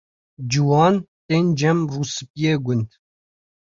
Ciwan tên cem rûspiyê gund.